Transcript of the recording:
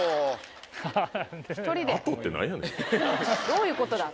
どういうことだ？